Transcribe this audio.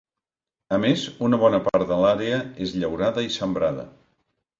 A més, una bona part de l'àrea és llaurada i sembrada.